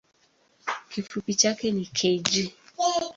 Kifupi chake ni kg.